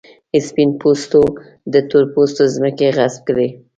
سپین پوستو د تور پوستو ځمکې غصب کړې.